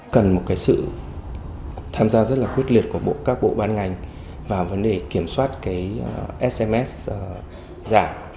cần một cái sự tham gia rất là quyết liệt của các bộ ban ngành vào vấn đề kiểm soát cái sms giả